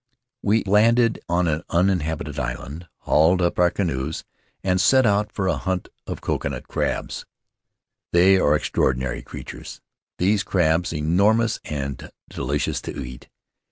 We landed on an uninhabited island, hauled up our canoes, and set out on a hunt for coconut crabs. "They are extraordinary creatures, these crabs, enormous, and delicious to eat.